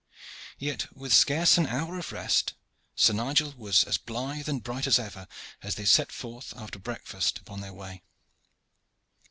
Yet, with scarce an hour of rest, Sir Nigel was as blithe and bright as ever as they set forth after breakfast upon their way.